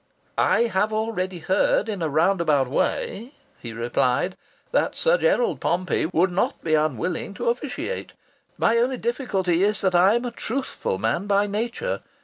"I have already heard, in a roundabout way," he replied, "that Sir Gerald Pompey would not be unwilling to officiate. My only difficulty is that I'm a truthful man by nature.